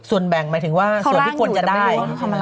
ส่วนแบ่งหมายถึงว่าส่วนที่ควรจะได้